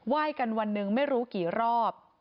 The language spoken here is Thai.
ยกันวันหนึ่งไม่รู้กี่รอบ